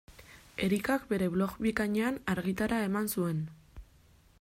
Erikak bere blog bikainean argitara eman zuen.